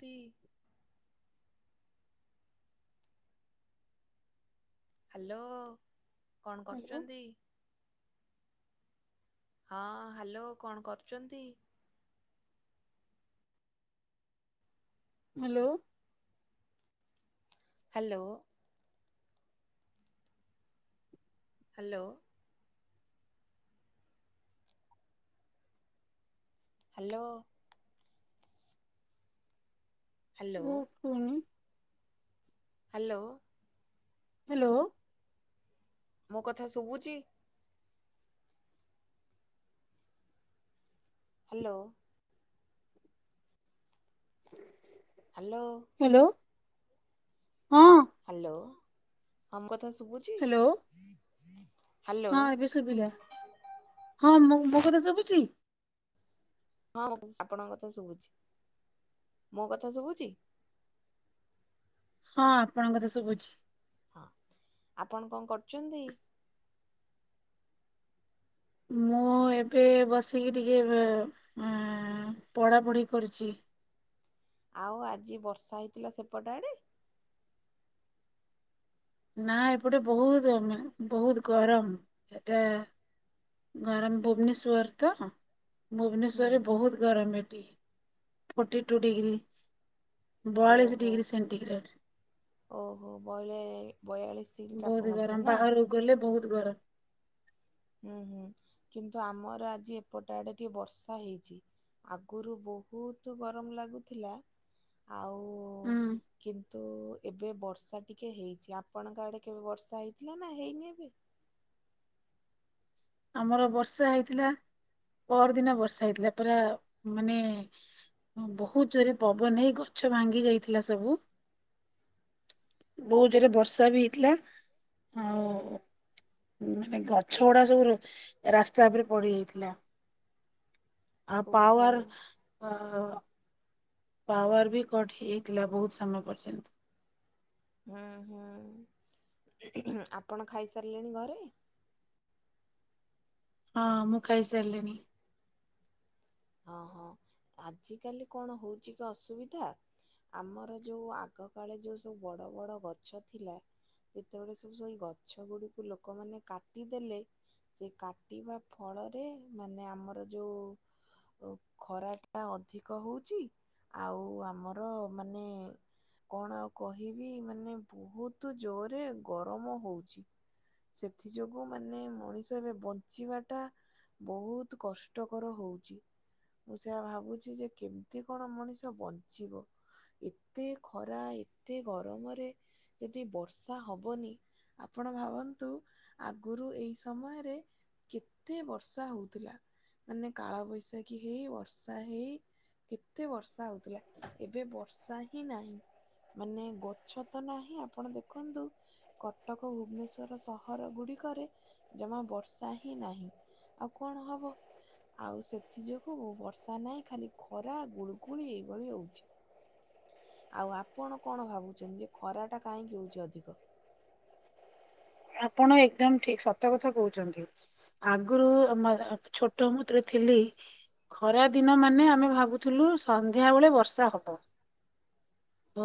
ତି ହ୍ୟାଲୋ। କଣ କରୁଚନ୍ତି? ହଁ ହ୍ୟାଲୋ କଣ କରୁଚନ୍ତି? Hello. Hello. Hello. Hello. Hello. ମୁଁ ଶୁନି ହ୍ୟାଲୋ। ହାଲୋ। ମୋ କଥା ଶୁଭୁଚି? ହ୍ୟାଲୋ। ହାଲୋ। ହ୍ୟାଲୋ ହଁ। ହାଲୋ। [unintelligible] କଥା ସୁବୁଚି? ହ୍ୟାଲୋ ହଁ ଏବେ ଶୁଭିଲା ହଁ ମୋ ମୋ କଥା ସବୁଚି? ହଁ ଆପଣଙ୍କ କଥା ଶୁଭୁଚି ମୋ କଥା ଶୁଭୁଚି? ହଁ ଆପଣ କଥା ସଭୁଚି। ହଁ ଆପଣ କଣ କରୁଚନ୍ତି? ମୁଁ ଏବେ ବସିକି ଟିକେ ବେ ଆଁ ପଢ଼ାପଢ଼ି କରୁଚି। ଆଉ ଆଜି ବର୍ଷା ହେଇଥିଲା ସେପଟ ଆଡ଼େ? ନା ଏପଟେ ବହୁତ ଗମ ବହୁତ ଗରମ ଏଟା ଗରମ ଭୁବନେଶ୍ଵର ତ। ହୁଁ ଭୁବନେଶ୍ୱରରେ ବହୁତ ଗରମ ଏଠୀ। ଫୋଟି ଟୁ ଡିଗ୍ରୀ ବୟାଳିଶ ଓହୋ ଡିଗ୍ରୀ ସେଣ୍ଟିଗ୍ରେଡ। ଓହୋ ବୟଳେ ବୟାଳିଶ ଡିଗ୍ରୀ ବୋହୁତୁ ତାପମାତ୍ରା ଗରମ ନା? ବାହାରକୁ ଗଲେ ବୋ ବହୁତ ଗରମ। ହୁଁ ହୁଁ କିନ୍ତୁ ଆମର ଆଜି ଏପଟେ ଆଡେ ଟିକେ ବର୍ଷା ହେଇଚି ଆଗରୁ ବହୁତ ଗରମ ଲାଗୁଥିଲା ଆଉ ହୁଁ କିନ୍ତୁ ଏବେ ବର୍ଷା ଟିକେ ହେଇଚି ଆପଣଙ୍କ ଆଡେ କେବେ ବର୍ଷା ହେଇଥିଲା ନା ହେଇନି ଏବେ? ଆମର ବର୍ଷା ହେଇଥିଲା ପରଦିନ ବର୍ଷା ହେଇଥିଲା ପାରା ମାନେ ବହୁତ ଜୋରେ ପବନ ହେଇ ଗଛ ଭାଙ୍ଗି ଯାଇଥିଲା ସବୁ ବହୁତ ଜୋରେ ବର୍ଷା ବି ହେଇଥିଲା ଆଉ ମାନେ ଗଛ ଗଡା ସବୁ ରଖ ରାସ୍ତା ଉପରେ ପଡିଯାଇଥିଲା। ଆ ଓହୋ ପାୱାର ଅ ପାୱାର ବି କଟ୍ ହେଇଥିଲା ବହୁତ ସମୟ ପର୍ଯ୍ୟନ୍ତ। ହୁଁ ହୁଁ ଆପଣ ଖାଇସାରିଲେଣି ଘରେ? ହଁ ମୁଁ ଖାଇସାରିଲଣିି। ହଁ ହଁ ଆଜିକାଲି କଣ ହଉଛି କି ଅସୁବିଧା ଆମର ଯୋଉ ଆଗ କାଳେ ଯୋଉ ସବୁ ବଡ ବଡ ଗଛ ଥିଲା ଯେତେବେଳେ ସବୁ ସେଇ ଗଛ ଗୁଡିକୁ ଲୋକମାନେ କାଟିଦେଲେ ସେ କାଟିବା ଫଳରେ ମାନେ ଆମର ଯୋଉ ଯୋଉ ଖରାଟା ଅଧିକ ହେଉଚି ଆଉ ଆମର ମାନେ କଣ ଆଉ କହିବି ମାନେ ବହୁତ ଜୋରରେ ଗରମ ହେଉଚି ସେଥିଯୋଗୁ ମାନେ ମଣିଷ ଏବେ ବଞ୍ଚିବାଟା ବହୁତ କଷ୍ଟକର ହେଉଚି। ମୁଁ ସେଆ ଭାବୁଚି ଯେ କେମିତି କଣ ମଣିଷ ବଞ୍ଚିବ ଏତେ ଖରା ଏତେ ଗରମରେ ଯଦି ବର୍ଷା ହବନି ଆପଣ ଭାବନ୍ତୁ ଆଗରୁ ଏଇ ସମୟରେ କେତେ ବର୍ଷା ହଉଥିଲା ମାନେ କାଳବୈଶା ଖି ହେଇ ବର୍ଷା ହେଇ କେତ ଏତେ ବର୍ଷା ହଉଥିଲା ଏବେ ବର୍ଷା ହିଁ ନାହିଁ ମାନେ ଗଛ ତ ନାହିଁ ଆପଣ ଦେଖନ୍ତୁ କଟକ ଭୁବନେଶ୍ଵର ସହର ଗୁଡିକରେ ଜମା ବର୍ଷା ହିଁ ନାହିଁ ଆଉ କଣ ହବ ଆଉ ସେ ବର୍ଷା ନାହିଁ ଖାଲି ଖରା ଗୁଳୁଗୁଳି ଏଇଭଳି ହଉଛି ଆଉ ଆପଣ କଣ ଭାବୁଛନ୍ତି ଯେ ଖରାଟା କାହିଁକି ହଉଛି ଅଧିକ ଆପଣ ଏକଦମ ଠିକ ସତ କଥା କହୁଛନ୍ତି। ଆଗରୁ ଛୋଟ ମୁଁ ତରେ ଥିଲି ଖରା ଦିନ ମାନେ ଆମେ ଭାବୁଥିଲୁ ସନ୍ଧ୍ୟା ବେଳେ ବର୍ଷା ହବ।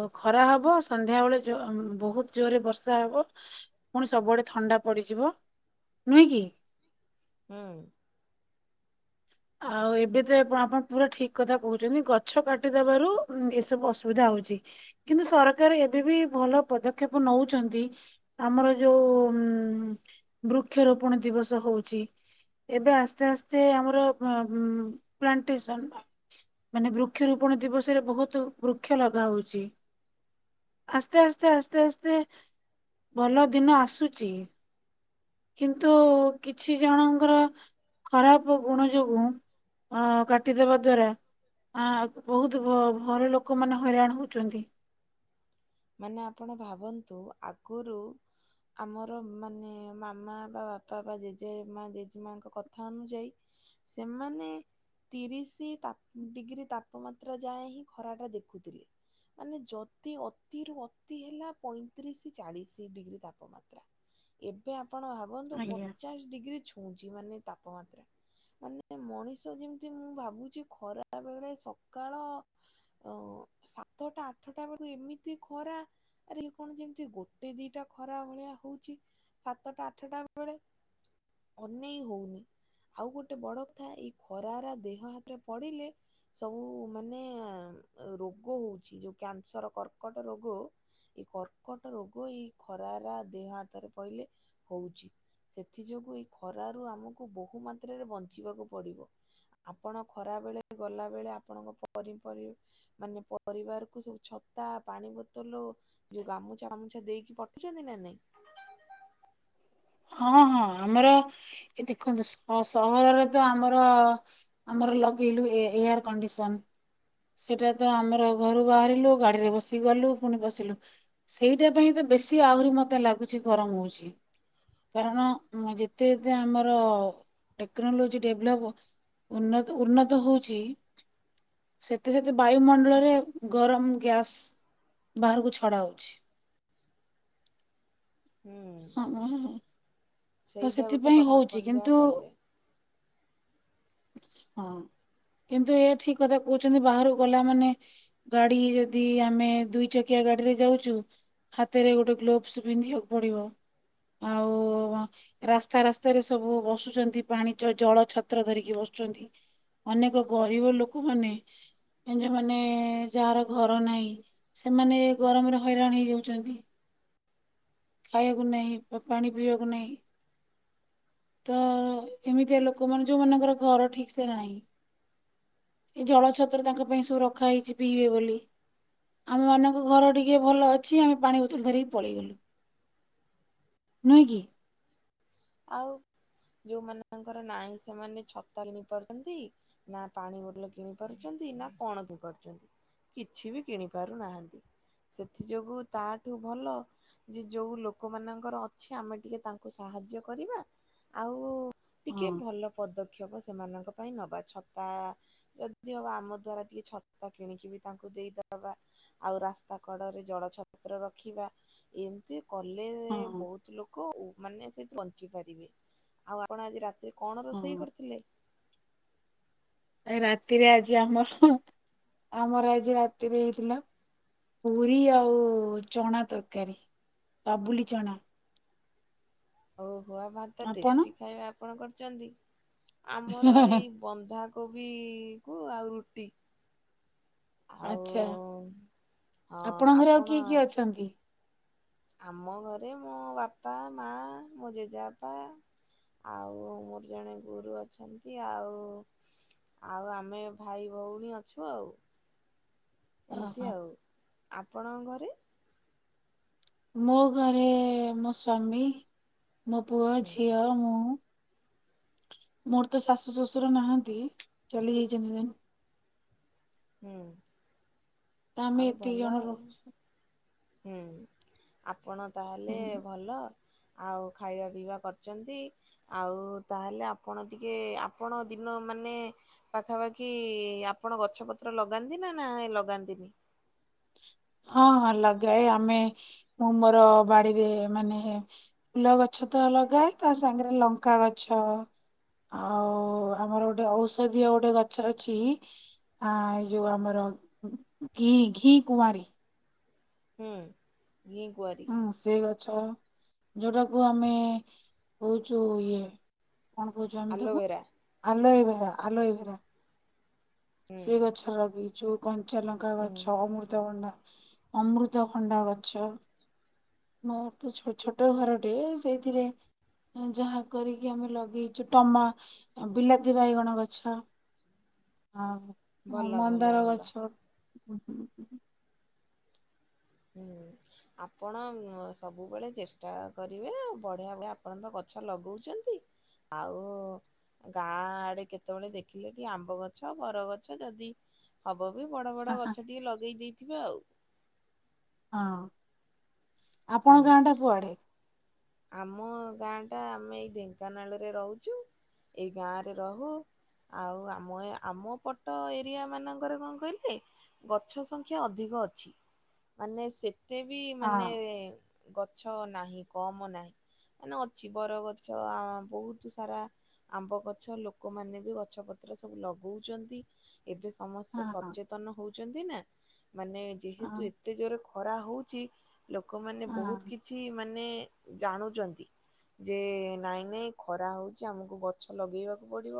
ଓ ଖରା ହବ ସନ୍ଧ୍ୟାବେଳେ ବହୁତ ଜୋରରେ ବର୍ଷା ହବ ପୁଣି ସବୁବେଳେ ଥଣ୍ଡା ପଡିଯିବ ନୁହେଁ କି। ହୁଁ। ଆଉ ଏବେ ତ ଆପଣ ପୁରା ଠିକ କଥା କହୁଛନ୍ତି ଗଛ କାଟିଦବାରୁ ଏସବୁ ଅସୁବିଧା ହଉଛି କିନ୍ତୁ ସରକାର ଏବେ ବି ଭଲ ପଦକ୍ଷେପ ନଉଛନ୍ତି ଆମର ଯୋଉ ଉ ବୃକ୍ଷରୋପଣ ଦିବସ ହଉଛି ଏବେ ଆସ୍ତେ ଆସ୍ତେ ଆମର ପ୍ଲାନ୍ଟେଶନ ମାନେ ବୃକ୍ଷରୋପଣ ଦିବସରେ ବହୁତ ବୃକ୍ଷ ଲଗା ହଉଛି ଆସ୍ତେ ଆସ୍ତେ ଆସ୍ତେ ଆସ୍ତେ ଭଲ ଦିନ ଆସୁଛି କିନ୍ତୁ କିଛି ଜଣଙ୍କର ଖରାପ ଗୁଣ ଯୋଗୁ କାଟିଦବା ଦ୍ଵାରା ବହୁତ ଭଲ ଲୋକ ମାନେ ହଇରାଣ ହଉଛନ୍ତି। ମାନେ ଆପଣ ଭାବନ୍ତୁ ଆଗରୁ ଆମର ମାନେ ମାମା ବା ବାପା ବା ଜେଜେମା ଜେଜେମାଙ୍କ କଥା ଅନୁଯାୟୀ ସେମାନେ ତିରିଶ ଡିଗ୍ରୀ ତାପମାତ୍ରା ଯାଏ ହିଁ ଖରା ଟା ଦେଖୁଥିଲେ ମାନେ ଯଦି ଅତିରୁ ଅତି ହେଲା ପଇଁତିରିଶ ଚାଳିଶ ଡିଗ୍ରୀ ତାପମାତ୍ରା ଏବେ ଆପଣ ଭାବନ୍ତୁ ଆଜ୍ଞା। ପଚାଶ ଡିଗ୍ରୀ ଛୁ ଉଛି ମାନେ ତାପମାତ୍ରା ମାନେ ମଣିଷ ଯେମିତି ମୁଁ ଭାବୁଛି ଖରା ବେଳେ ସକାଳ ଅ ସାତଟା ଆଠଟା ବେଳକୁ ଏମିତି ଖରା ଆରେ କଣ ଯେମିତି ଗୋଟେ ଦିଟା ଖରା ଭଳିଆ ହଉଛି ସାତଟା ଆଠଟା ବେଳେ ଅନେଇ ହଉନି ଆଉ ଗୋଟେ ବଡ କଥା ଏଇ ଖରାର ଦେହ ହାତରେ ପଡିଲେ ସବୁ ମାନେ ରୋଗ ହଉଛି ଯୋଉ କ୍ୟାନସର କର କର୍କଟ ରୋଗ ଏଇ କର୍କଟ ରୋଗ ଏଇ ଖରାର ଦେହ ହାତରେ ପହିଲେ ହଉଛି। ସେଥି ଯୋଗୁଁ ଏଇ ଖରାରୁ ଆମକୁ ବହୁ ମାତ୍ରାରେ ବଞ୍ଚିବାକୁ ପଡିବ। ଆପଣ ଖରା ବେଳେ ଗଲା ବେଳେ ଆପଣଙ୍କ ମାନେ ପରିବାର କୁ ସବୁଛ ପାଣି ବୋତଲ ଯୋଉ ଗାମୁଛା ଫାମୁଛା ଦେଇକି ପଠଉଛନ୍ତି ନା ନାଇଁ। ହଁ ହଁ ଆମର ଏ ଦେଖନ୍ତୁ ସହରରେ ତ ଆମର ଆମର ଲଗେଇଲୁ ଏୟାର କଣ୍ଡିସନ ସେଟା ତ ଆମର ଘରୁ ବାହାରିଲୁ ଗାଡିରେ ବସିକି ଗଲୁ ପୁଣି ବସିଲୁ ସେଇଟା ପାଇଁ ତ ବେଶୀ ଆହୁରି ମୋତେ ଲାଗୁଛି ଗରମ ହଉଛି କାରଣ ଯେତେ ଯେତେ ଆମର ଟେକ୍ନୋଲୋଜି ଡେଭଲପ ଉନ ଉନ୍ନତ ହଉଛି ସେତେ ସେତେ ବାୟୁମଣ୍ଡଳରେ ଗରମ ଗ୍ୟାସ୍ ବାହାରକୁ ଛଡା ହଉଛି। ହୁଁ। ହଁ ତ ସେଇଟା ଗୋଟେ ସେଥିପାଇଁ କଥା ହଉଛି ଆପଣ ଯା କିନ୍ତୁ କହିଲେ। ହଁ କିନ୍ତୁ ଏଇ ଠିକ କଥା କହୁଛନ୍ତି ବାହାରୁକୁ ଗଲା ମାନେ ଗାଡି ଯଦି ଆମେ ଦୁଇ ଚକିଆ ଗାଡିରେ ଯାଉଛୁ ହାତରେ ଗୋଟେ ଗ୍ଲୋଭସ ପିନ୍ଧିବାକୁ ପଡିବ ଆଉ ରାସ୍ତା ରାସ୍ତାରେ ସବୁ ବସୁଛନ୍ତି ପାଣି ଜଳ ଛତ୍ର ଧରିକି ବସଛନ୍ତି ଅନେକ ଗରିବ ଲୋକମାନେ ଜୋଉମାନେ ଯାହାର ଘର ନାହିଁ ସେମାନେ ଗରମରେ ହଇରାଣ ହେଇଯାଉଛନ୍ତି। ଖାଇବାକୁ ନାହିଁ ବା ପାଣି ପିଇବାକୁ ନାହିଁ ତ ଏମିତିଆ ଲୋକ ମାନ ଯୋଉମାନଙ୍କର ଘର ଠିକ ସେ ନାହିଁ ଏ ଜଳ ଛତ୍ର ତାଙ୍କ ପାଇଁ ସବୁ ରଖା ହେଇଛି ପିଇବେ ବୋଲି ଆମ ମାନଙ୍କ ଘର ଟିକେ ଭଲ ଅଛି ଆମେ ପାଣି ବୋତଲ ଧରିକି ପଳେଇଗଲୁ ନୁହେଁ କି। ଆଉ ଯୋଉମାନଙ୍କର ନାହିଁ ସେମାନେ ଛତା କିଣି ପାରୁଛନ୍ତି ନା ପାଣି ବୋଟଲ କିଣି ପାରୁଛନ୍ତି ନା କଣ କିଣି ପାରୁଛନ୍ତି କିଛି ବି କିଣି ପାରୁନାହାନ୍ତି। ସେଥି ଯୋଗୁ ତାଠୁ ଭଲ ଯେ ଯୋଉ ଲୋକମାନଙ୍କର ଅଛି ଆମେ ଟିକେ ତାଙ୍କୁ ସାହାଯ୍ୟ କରିବା ଆଉ ଟିକେ ହଁ ଭଲ ପଦ ବକ୍ଷେପ ସେମାନଙ୍କ ପାଇଁ ନେବା ଛତା ଯଦି ହବ ଆମ ଦ୍ଵାରା ଟିକେ ଛତା କିଣିକି ବି ତାଙ୍କୁ ଦେଇଦବା ଆଉ ରାସ୍ତା କଡ଼ରେ ଜଳଛତ୍ର ରଖିବା ଏମିତି କଲେ ହଁ ବହୁତ ଲୋକ ମାନେ [unintelligible] ବୁଝି ପାରିବେ ଆଉ ଆପଣ ଆଜି ରାତି କଣ ରୋଷେଇ ହଁ। କରିଥିଲେ? ଏ ରାତିରେ ଆଜି ଆମର ଆମର ଆଜି ରାତିରେ ହେଇଥିଲା ପୁରି ଆଉ ଚଣା ତରକାରୀ ବାବୁଲି ଚଣା। ଓ ଖୁଆ ଭାତ ଆପଣ? ଟେଷ୍ଟି ଖାଇବା ଆପଣଙ୍କର ଚନ୍ତିି। ଆମର ଏଇ ବନ୍ଧା କୋବି କୁ ଆଉ ରୁଟି। ଆଉ ଆଚ୍ଛା ହଁ ଆପଣଙ୍କର ଆଉ ଆପଣ କିଏ କିଏ ଅଛନ୍ତି? ଆମ ଘରେ ମୋ ବାପା ମା ମୋ ଜେଜେବାପା ଆଉ ମୋର ଜଣେ ଗୁରୁ ଅଛନ୍ତି ଆଉ ଆଉ ଆମେ ଭାଇ ଭଉଣୀ ଅଛୁ ଆଉ। ଏମିତି ଓହୋ ଆଉ। ଆପଣଙ୍କ ଘରେ? ମୋ ଘରେ ମୋ ସ୍ୱାମୀ ମୋ ପୁଅ ହୁଁ ଝିଅ ମୁଁ ମୋର ତ ଶାଶୁ ଶ୍ୱଶୁର ନାହାନ୍ତି ଚାଲି ଯାଇଛନ୍ତି ଦେନ୍ ହୁଁ। ତ ଆମେ ଆଉ ଏତିକି ଭଲ ଜଣ ଆଉ। ରୋହୁଛୁ। ହୁଁ ଆପଣ ତାହେଲେ ଭଲ। ଆଉ ଖାଇବା ପିଇବା କରିଚନ୍ତି ଆଉ ତାହେଲେ ଆପଣ ଟିକେ ଆପଣ ଦିନ ମାନେ ପାଖାପାଖି ଆପଣ ଗଛ ପତ୍ର ଲଗାନ୍ତି ନା ନା ଲଗାନ୍ତିନି। ହଁ ହଁ ଲଗାଏ ଆମେ ମୁଁ ମୋର ବାଡିରେ ମାନେ ଫୁଲ ଗଛ ତ ଲଗାଏ ତା ସାଙ୍ଗରେ ଲଙ୍କା ଗଛ ଆଉ ଆମର ଗୋଟେ ଔଷଧୀୟ ଗୋଟେ ଗଛ ଅଛି ଆ ଏଇ ଯୋଉ ଆମର ଘି ଘି କୁଆଁରୀ। ହୁଁ। ଘିକୁଆଁରି ହୁଁ ସେଇ ଗଛ। ଯୋଉଟାକୁ ଆମେ କହୁଛୁ ଇଏ କଣ କହୁଚୁ ଆମେ ତାକୁ ଆଲୋଭେରା ଆଲେବେରା। ଆଲୋଏବେରା। ହୁଁ ସେଇ ଗଛ ଲଗେଇ ଯଉ କଣ ଞ୍ଚା ଲଙ୍କା ହୁଁ ଗଛ ଅମୃତଭଣ୍ଡା ଅମୃତ ଖଣ୍ଡା ଗଛ ମୋର ତ ଛୋଟ ଘରଟେ ସେଇଥିରେ ଯାହା କରିକି ଆମେ ଲଗେଇଛୁ ଟମା ବିଲାତି ବାଇଗଣ ଗଛ। ହଁ ମୋ ଭଲ ଭଲ ମନ୍ଦାର ଭଲ ଗଛ। ହୁଁ ହୁଁ ହୁଁ ହୁଁ। ହୁଁ ଆପଣ ସବୁବେଳେ ଚେଷ୍ଟା କରିବେ ବଢିଆ ବଢିଆ ଆପଣ ତ ଗଛ ଲଗଉଚନ୍ତି ଆଉ ଗାଁ ଆଡେ କେତେବେଳେ ଦେଖିଲେ କି ଆମ୍ବ ଗଛ ବରଗଛ ଯଦି ହବ ହବ ବି ବଡ ହଁ ବଡ ଗଛ ଟିକେ ଲଗେଇ ଦେଇ ଥିବେ ଆଉ। ହଁ। ଆପଣଙ୍କ ହୁଁ। ଗାଁ ଟା କୁଆଡେ? ଆମ ଗାଁ ଟା ଆମେ ଏଇ ଢେଙ୍କାନାଳରେ ରହୁଚୁ ଏଇ ଗାଁରେ ରହୁ ଆଉ ଆମ ଏ ଆମ ପଟ ଏରିଆ ମାନଙ୍କରେ କଣ କହିଲେ ଗଛ ସଂଖ୍ୟା ଅଧିକ ଅଛି ମାନେ ସେ ତେ ବି ହଁ ମାନେ ଗଛ ନାହିଁ କମ୍ ମ ନାହିଁ ମାନେ ଅଛି ବରଗଛ ବହୁତ ସାରା ଆମ୍ବ ଗଛ ଲୋକମାନେ ବି ଗଛପତ୍ର ସବୁ ଲଗଉଚନ୍ତି। ଏବେ ସମସ୍ତେ ହଁ ହଁ ସଚେତନ ହୋଉ ଛନ୍ତି ନା ମାନେ ଯେହେତୁ ହଁ ଏତେ ଜୋରେ ଖ ଖରା ହଉଚି ଲୋକମାନେ ବହୁତ ହଁ କିଛି ମାନେ ଜାଣୁଚନ୍ତି ଯେ ନାଇଁ ନାଇଁ ଖରା ହଉଚି ଆମକୁ ଗଛ ଲଗେଇବାକୁ ପଡ଼ିବ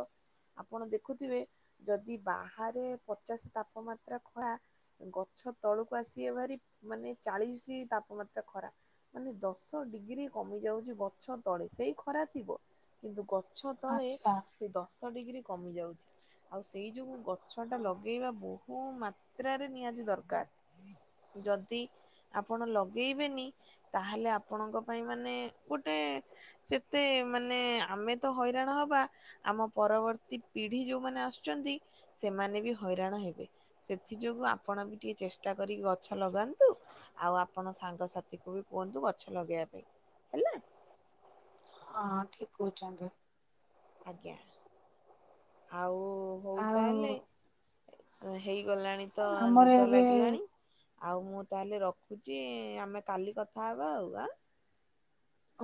ଆପଣ ଦେଖୁଥିବେ ଯଦି ବାହାରେ ପଚାଶ ତାପମାତ୍ରା ଖରା ଗଛ ତଳକୁ ଆସି ଏ ଭାରି ମାନେ ଚାଳିଶି ତାପମାତ୍ରା ଖରା ମାନେ ଦଶ ଡିଗ୍ରୀ [unintelligible] କମି ଯାଉଛି ଗଛ ତଳେ ସେଇ ଖରା ଥିବ କିନ୍ତୁ ଗ ଛ ତଳେ ଆଚ୍ଛା ସେ ଦଶ ଶ ଡିଗ୍ରୀ କମି ଯାଉଛି ଆଉ ସେଇ ଯୋଗୁ ଛ ଟା ହଁ ଲଗେଇବା ବହୁ ମା ଯାତ୍ରାରେ ନିହାତି ଦରକାର ଯଦି ଆପଣ ଲଗେଇବେନି ତାହେଲେ ଆପଣଙ୍କ ପାଇଁ ମାନେ ଗୋଟେ ସେତେ ମାନେ ଆମେ ତ ହଇରାଣ ହବା ଆମ ପରବର୍ତ୍ତୀ ପିଢି ଯୋଉମାନେ ଆସୁଚନ୍ତି ସେମାନେ ବି ହଇରାଣ ହେବେ ସେଥି ଯୋଗୁ ଆପଣ ବି ଟିକେ ଚେଷ୍ଟା କରି ଗଛ ଗଛ ଲଗାନ୍ତୁ ଆଉ ଆପଣ ସାଙ୍ଗସାଥିକୁ ବି କୁହନ୍ତୁ ଗଛ ଲଗେଇବା ପାଇଁ। ହେଲା ହଁ ଠିକ କହୁଚନ୍ତି। ଆଜ୍ଞା ଆଉ ଓ ହଉ ଆଉ ତାହେଲେ ଶ ହେଇ ଗଲାଣି ତ ଆମର ନିଦ ଏବେ ଲାଗିଲାଣି ଆଉ ମୁଁ ତାହେଲେ ରଖୁଚି ଆମେ କାଲି କଥା ହେବା ଆଉ ଆ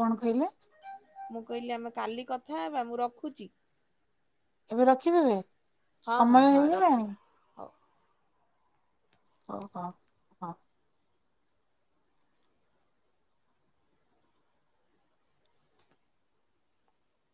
କଣ କହିଲେ? ମୁଁ କହିଲି ଆମେ କାଲି କଥା ହେବା ମୁଁ ରଖୁଚି। ଏବେ ରଖିଦେବେ? ହଁ ହଁ ସମୟ ହଁ ହେଇଗଲାଣି ରଖିବା ହଉ। ଓହୋ ହଁ।